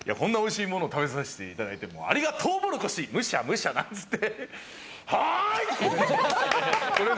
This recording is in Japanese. いや、こんなおいしいもの食べさせていただいて、ありがとうもろこしムシャムシャなんっつって。